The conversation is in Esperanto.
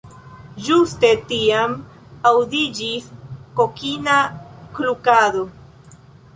Ĝuste tiam, aŭdiĝis kokina klukado.